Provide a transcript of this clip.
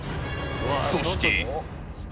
そして。